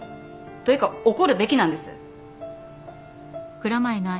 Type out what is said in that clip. というか怒るべきなんです。